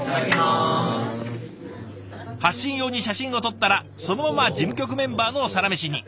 発信用に写真を撮ったらそのまま事務局メンバーのサラメシに。